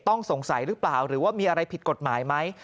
ต้องสงสัยหรือเปล่าหรือว่ามีอะไรผิดกฎหมายไหม